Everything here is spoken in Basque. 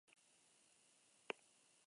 Ezin da irakurketa gaiztorik egin.